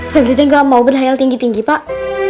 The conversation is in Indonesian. febri tidak mau berkhayal tinggi tinggi pak